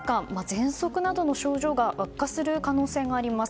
ぜんそくなどの症状が悪化する可能性があります。